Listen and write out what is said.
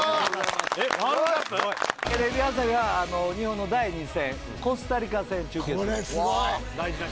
テレビ朝日は日本の第２戦コスタリカ戦中継するんですけど。